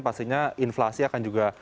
pastinya inflasi akan juga